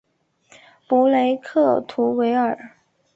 布雷克图维尔。